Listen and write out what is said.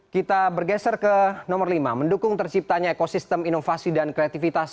kita bergeser ke nomor lima mendukung terciptanya ekosistem inovasi dan kreativitas